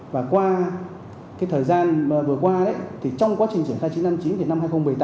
và qua thời gian vừa qua thì trong quá trình triển khai chín trăm năm mươi chín thì năm hai nghìn một mươi tám